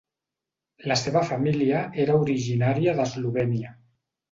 La seva família era originària d'Eslovènia.